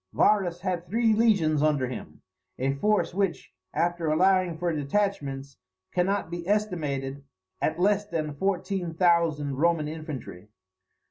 Varus had three legions under him, a force which, after allowing for detachments, cannot be estimated at less than fourteen thousand Roman infantry.